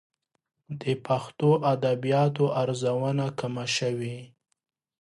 د پښتو ادبياتو ارزونه کمه شوې.